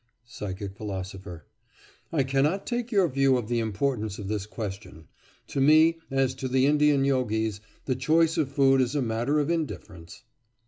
PSYCHIC PHILOSOPHER: I cannot take your view of the importance of this question. To me, as to the Indian yogis, the choice of food is a matter of indifference.